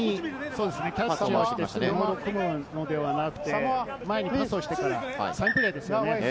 キャッチをして、すぐ回り込むのではなく、周りにパスをしてから、サインプレーですね。